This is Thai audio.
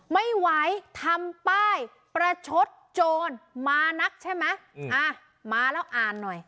ไม่ไหวทำป้ายประชดโจรมานักใช่ไหมอ่ามาแล้วอ่านหน่อย